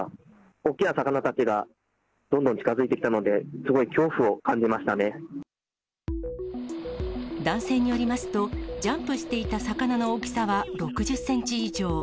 大きな魚たちがどんどん近づいてきたので、すごい恐怖を感じまし男性によりますと、ジャンプしていた魚の大きさは６０センチ以上。